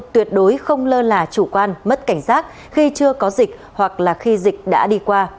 tuyệt đối không lơ là chủ quan mất cảnh giác khi chưa có dịch hoặc là khi dịch đã đi qua